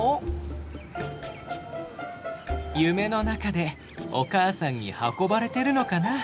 夢の中でお母さんに運ばれてるのかな。